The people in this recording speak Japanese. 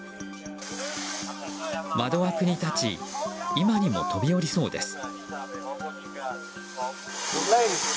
窓枠に立ち今にも飛び降りそうです。